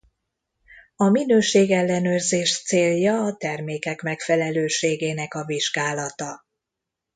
A minőség-ellenőrzés célja a termékek megfelelőségének a vizsgálata.